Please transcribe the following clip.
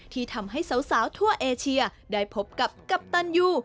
ที่ทำให้สาวทั่วเอเชียได้พบกับกัปตันยู